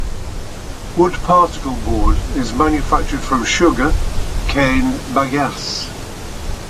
Wood particleboard is manufactured from sugar cane bagasse.